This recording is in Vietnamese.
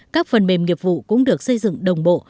các phần mềm nghiệp vụ cũng được xây dựng đồng bộ